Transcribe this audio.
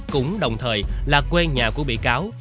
cũng đồng thời là quê nhà của bị cáo